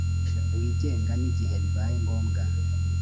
wigenga n igihe bibaye ngombwa